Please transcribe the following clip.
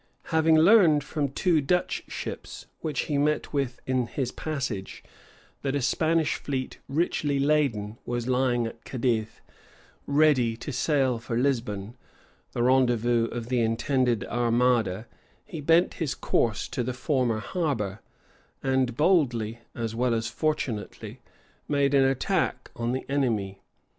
Having learned from two Dutch ships which he met with in his passage, that a Spanish fleet, richly laden, was lying at Cadiz, ready to sail for Lisbon, the rendezvous of the intended armada, he bent his course to the former harbor, and boldly, as well as fortunately, made an attack on the enemy.